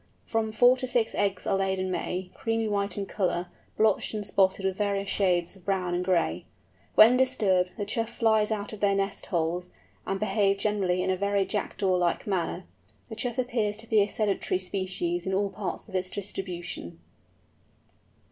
From four to six eggs are laid in May, creamy white in ground colour, blotched and spotted with various shades of brown and gray. When disturbed, the Choughs fly out of their nest holes, and behave generally in a very Jackdaw like manner. The Chough appears to be a sedentary species in all parts of its distribution.